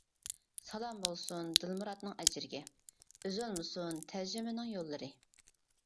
سالام بولسۇن دىلمۇراتنىڭ ئەجرىگە، ئۈزۈلمىسۇن تەرجىمىنىڭ يوللىرى.